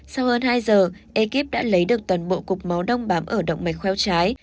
sau hơn hai giờ ekip đã lấy được toàn bộ cục máu đông bám ở động mạch khoeo trái